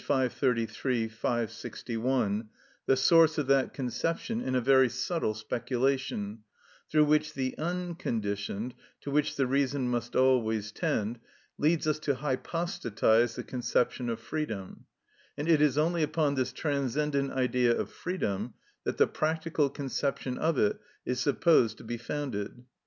533; V. 561) the source of that conception in a very subtle speculation, through which the unconditioned, to which the reason must always tend, leads us to hypostatise the conception of freedom, and it is only upon this transcendent Idea of freedom that the practical conception of it is supposed to be founded.